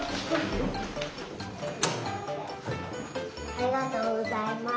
ありがとうございます。